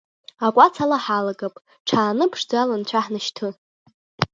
Акәац ала ҳалагап, ҽааны ԥшӡала анцәа ҳнашьҭы…